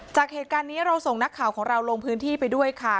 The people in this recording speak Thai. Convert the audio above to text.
จากเหตุการณ์นี้เราส่งนักข่าวของเราลงพื้นที่ไปด้วยค่ะ